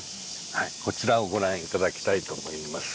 こちらをご覧頂きたいと思います。